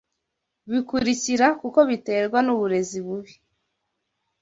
bikurikira kuko biterwa n’uburezi bubi